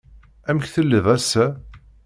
Amek tellid ass-a?